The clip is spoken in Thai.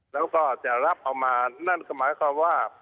แล้วก็จะรับเอามานั่นก็หมายความว่า